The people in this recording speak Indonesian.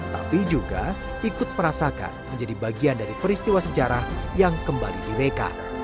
tapi juga ikut merasakan menjadi bagian dari peristiwa sejarah yang kembali direka